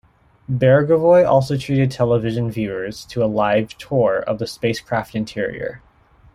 Beregevoy also treated television viewers to a "live" tour of the spacecraft interior.